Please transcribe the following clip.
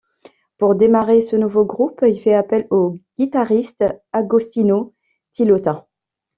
Pour démarrer ce nouveau groupe, il fait appel au guitariste Agostino Tilotta.